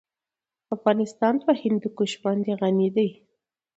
افغانستان په هندوکش باندې غني هېواد دی.